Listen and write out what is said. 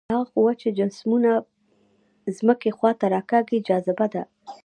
هغه قوه چې جسمونه ځمکې خواته راکاږي جاذبه ده.